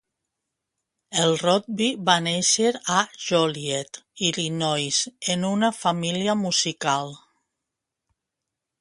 El Rodby va néixer a Joliet, Illinois, en una família musical.